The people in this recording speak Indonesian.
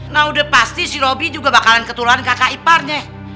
nah udah pasti si roby juga bakalan ketuluan kakak iparnya